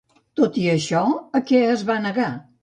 Tot i això, a què es va negar?